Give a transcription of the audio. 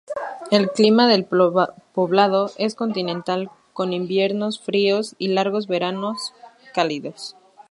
El clima del poblado es continental, con inviernos fríos y largos y veranos cálidos.